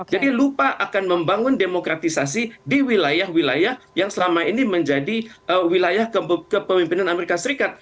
jadi mereka lupa akan membangun demokratisasi di wilayah wilayah yang selama ini menjadi wilayah kepemimpinan amerika serikat